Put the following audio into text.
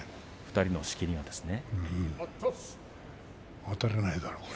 ２人の仕切りがですね。